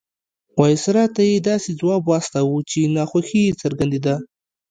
وایسرا ته یې داسې ځواب واستاوه چې ناخوښي یې څرګندېدله.